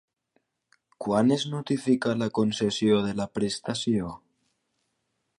Quan es notifica la concessió de la prestació?